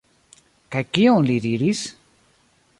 Kaj kion li diris?